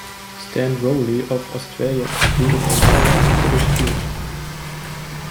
Stan Rowley of Australia completed an otherwise British team.